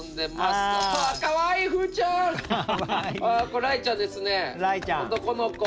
らいちゃんですね男の子。